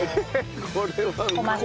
これはうまい。